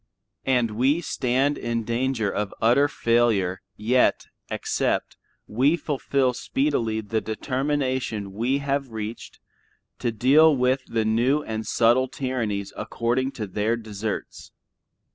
And we stand in danger of utter failure yet except we fulfil speedily the determination we have reached, to deal with the new and subtle tyrannies according to their deserts.